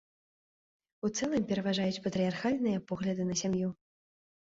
У цэлым пераважаюць патрыярхальныя погляды на сям'ю.